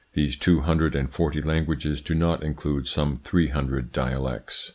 These two hundred and forty languages do not include some three hundred dialects